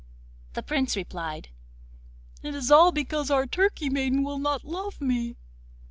The Prince replied: 'It is all because our Turkey maiden will not love me!